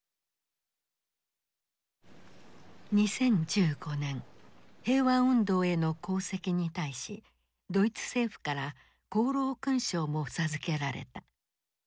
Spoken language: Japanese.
２０１５年平和運動への功績に対しドイツ政府から功労勲章も授けられた。